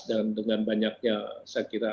dan dengan banyaknya saya kira